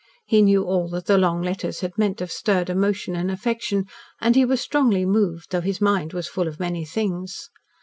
He knew all that the long letters had meant of stirred emotion and affection, and he was strongly moved, though his mind was full of many things.